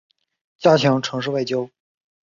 加强城市外交